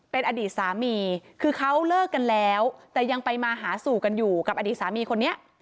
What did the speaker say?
เป็นอดีตสามีคือเขาเลิกกันแล้วแต่ยังไปมาหาสู่กันอยู่กับอดีตสามีคนนี้